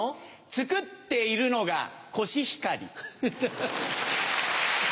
作っているのがコシヒカリ。